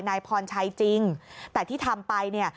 นายพรชัยจริงแต่ที่ทำไปเนี่ย